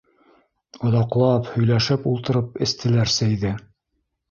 Оҙаҡлап һөйләшеп ултырып эстеләр сәйҙе.